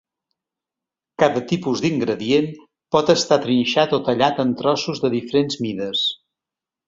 Cada tipus d'ingredient pot estar trinxat o tallat en trossos de diferents mides.